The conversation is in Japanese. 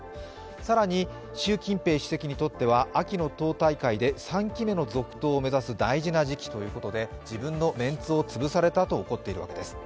更に習近平主席にとっては秋の党大会で３期目を目指す大事な時期ということで、自分のメンツを潰されたと怒っているわけです。